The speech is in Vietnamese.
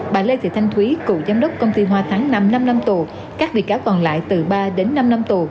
bà lê thị thanh thúy cựu giám đốc công ty hòa tháng năm năm năm tù các bị cáo còn lại từ ba đến năm năm tù